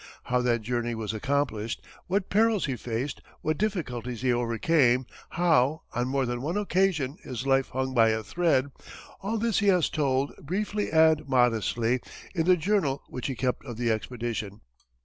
How that journey was accomplished, what perils he faced, what difficulties he overcame, how, on more than one occasion his life hung by a thread all this he has told, briefly and modestly, in the journal which he kept of the expedition.